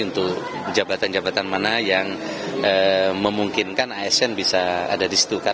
untuk jabatan jabatan mana yang memungkinkan asn bisa ada di situ